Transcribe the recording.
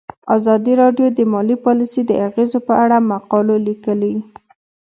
ازادي راډیو د مالي پالیسي د اغیزو په اړه مقالو لیکلي.